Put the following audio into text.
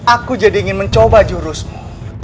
aku jadi ingin mencoba jurusmu